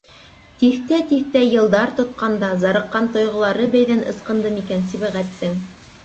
Тиҫтә- тиҫтә йылдар тотҡонда зарыҡҡан тойғолары бәйҙән ысҡынды микән Сибәғәттең?